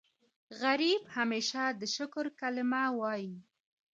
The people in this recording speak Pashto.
غریب همیشه د شکر کلمه وايي